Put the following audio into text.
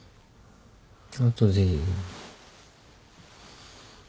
あとでいい。